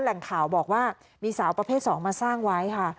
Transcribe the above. แหล่งข่าวบอกว่ามีสาวประเภท๒มาสร้างไว้ค่ะ